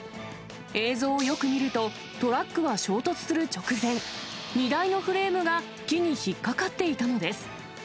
映像をよく見ると、トラックは衝突する直前、荷台のフレームが木に引っ掛かっていたのです。